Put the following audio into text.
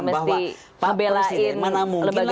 mesti belain lebaga sendiri